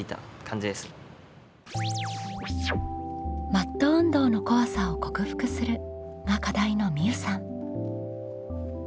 「マット運動の怖さを克服する」が課題のみうさん。